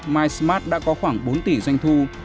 mysmart đã có khoảng bốn tỷ doanh thu